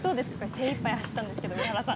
精いっぱい走ったんですけど上原さん。